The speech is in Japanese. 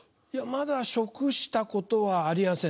まだ食したことはありやせんな。